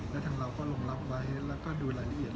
และทั้งเราก็รวมรับให้และดูรายละเอียด